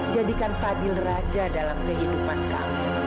jadikan fadil raja dalam kehidupan kami